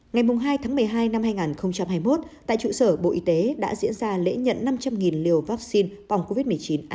ngày hai tháng một mươi hai năm hai nghìn hai mươi một tại trụ sở bộ y tế đã diễn ra lễ nhận năm trăm linh liều vaccine phòng covid một mươi chín